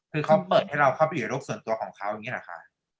คือเขาเปิดให้เราเข้าไปอยู่ในโลกส่วนตัวของเขาอย่างนี้หรอคะ